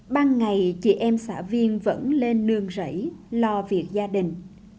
ban ngày chị em xã viên vẫn lên nương rẫy lo việc gia đình